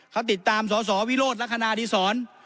เขาติดตามสศวิโรธลักษณะที่สอน